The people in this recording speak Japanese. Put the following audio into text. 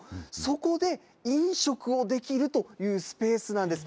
そこで飲食をできるというスペースなんです。